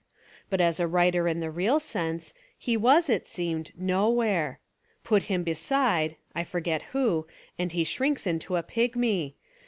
But as a writer in the real sense, he was, it seemed, no where. Put him beside, — I forget who — and he shrinks to a pigmy.